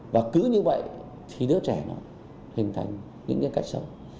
và cứ như vậy thì đứa trẻ nó hình thành những cái cách sống